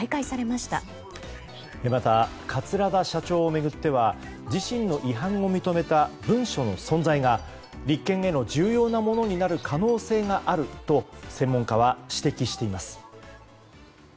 また、桂田社長を巡っては自身の違反を認めた文書の存在が立件への重要なものになる可能性があると専門家は指摘しています。